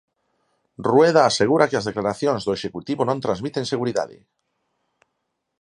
Rueda asegura que as declaracións do executivo non transmiten seguridade.